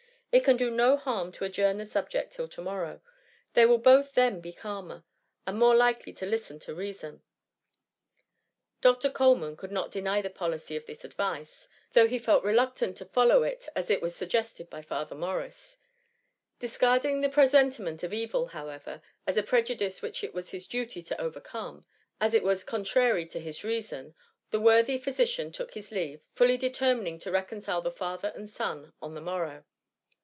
It can do no harm to adjourn the subject till to morrow : they will both then be calmer, and more likely to listen to reason.'' ^ Dr. Coleman could not deny the policy of this advice, though he felt reluctant to follow THE MUMMY. 1S7 it, as it was suggested by Futber Morris : dis carding the presentiment of evil, however, as a prejudice which it was his duty to overcome, as it was contrary to his reason, the worthy physician took his leave, fully determining to reconcile the father and son on the morrow.